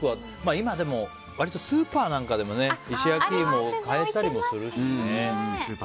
今、でも、割とスーパーなんかでも石焼き芋が買えたりもしますしね。